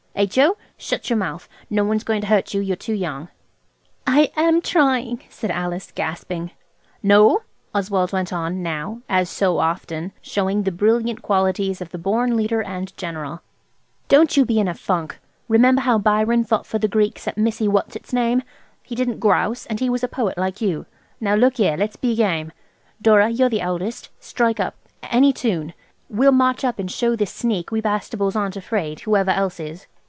H.O., shut your mouth; no one's going to hurt you–you're too young." "I am trying," said Alice, gasping. "Noël," Oswald went on–now, as so often, showing the brilliant qualities of the born leader and general–"Don't you be in a funk. Remember how Byron fought for the Greeks at Missy what's its name. He didn't grouse, and he was a poet, like you! Now look here, let's be game. Dora, you're the eldest. Strike up–any tune. We'll march up, and show this sneak we Bastables aren't afraid, whoever else is."